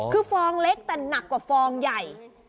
คือฟองเล็กแต่หนักกว่าฟองใหญ่